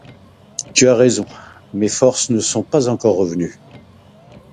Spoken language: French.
Tu as raison, mes forces ne sont pas encore revenues.